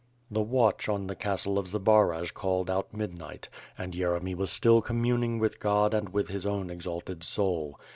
The watch on the castle of Zbaraj called out midnight; and Yeremy was still communing with God and with his own exalted soul.